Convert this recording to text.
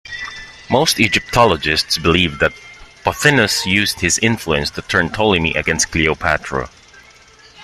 Most Egyptologists believed that Pothinus used his influence to turn Ptolemy against Cleopatra.